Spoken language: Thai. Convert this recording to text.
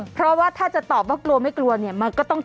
พ่อพ่อกลัวแม่ไหม